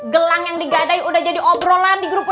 gelang yang digadai udah jadi obrolan di grup